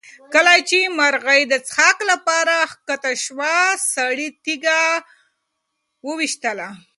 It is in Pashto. کله چې مرغۍ د څښاک لپاره کښته شوه سړي تیږه وویشتله.